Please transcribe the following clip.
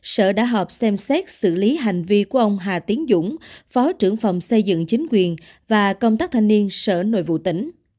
sở đã họp xem xét xử lý hành vi của ông hà tiến dũng phó trưởng phòng xây dựng chính quyền và công tác thanh niên sở nội vụ tỉnh